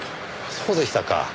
そうでしたか。